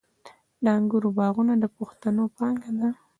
د انګورو باغونه د پښتنو پانګه ده.